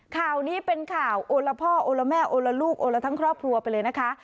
ข่าวนี้เป็นข่าวโอละพ่อโอละแม่โอละลูกโอละทั้งครอบครัวไปเลยนะคะ